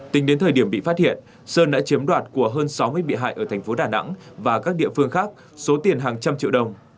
tính đến thời điểm bị phát hiện sơn đã chiếm đoạt của hơn sáu mươi bị hại ở thành phố đà nẵng và các địa phương khác số tiền hàng trăm triệu đồng